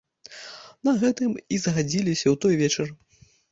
На гэтым і згадзіліся ў той вечар.